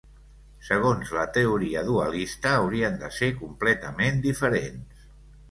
Segons la teoria dualista haurien de ser completament diferents.